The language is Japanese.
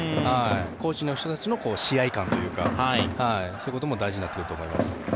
コーチの人たちの試合勘というかそういうことも大事になってくると思います。